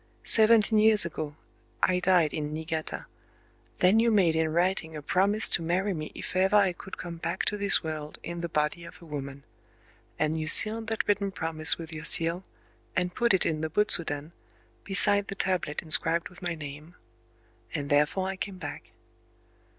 Seventeen years ago, I died in Niigata: then you made in writing a promise to marry me if ever I could come back to this world in the body of a woman;—and you sealed that written promise with your seal, and put it in the butsudan, beside the tablet inscribed with my name. And therefore I came back."...